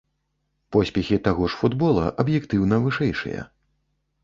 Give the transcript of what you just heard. Поспехі таго ж футбола аб'ектыўна вышэйшыя.